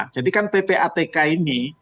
jadikan ppatk ini